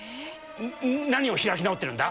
何を開き直ってるんだ？